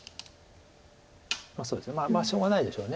そうですねまあしょうがないでしょう。